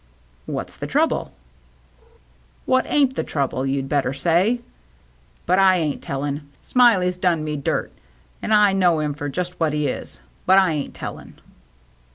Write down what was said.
"What's the trouble?" "What airCt the trouble, you'd better say. But I ain't tellin'. Smiley's done me dirt, an' I know 'im for just what he is, but I ain't tellin'."